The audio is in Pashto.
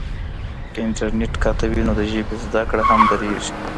که انټرنیټ قطع وي نو د ژبې زده کړه هم درېږي.